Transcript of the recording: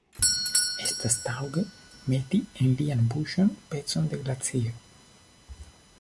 Estas taŭge meti en lian buŝon pecon de glacio.